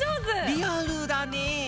リアルだね。